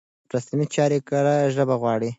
رسمي چارې کره ژبه غواړي.